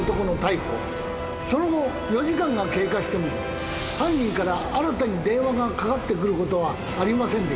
その後４時間が経過しても犯人から新たに電話がかかってくることはありませんでした。